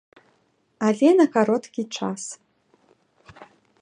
Але на кароткі час.